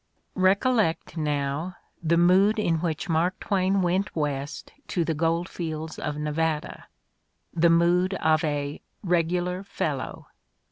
RECOLLECT, now, the mood in which Mark Twain went West to the gold fields of Nevada — the mood of a "regular fellow."